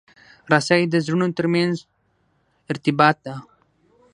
رسۍ د زړونو ترمنځ ارتباط ده.